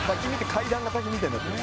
階段が滝みたいになってる」